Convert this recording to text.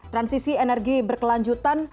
transisi energi berkelanjutan